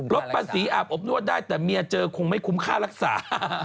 ลดภาษีอาบอบนวดได้แต่เมียเจอคงไม่คุ้มค่ารักษา